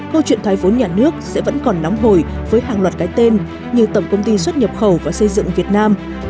câu chuyện thoái vốn nhà nước sẽ vẫn còn nóng hồi với hàng loạt cái tên như tổng công ty xuất nhập khẩu và xây dựng việt nam